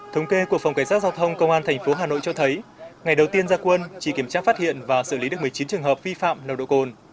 thống kê của phòng cảnh sát giao thông công an tp hà nội cho thấy ngày đầu tiên gia quân chỉ kiểm tra phát hiện và xử lý được một mươi chín trường hợp vi phạm nồng độ cồn